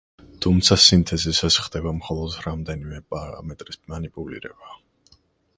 თუმცა სინთეზისას ხდება მხოლოდ რამდენიმე პარამეტრის მანიპულირება.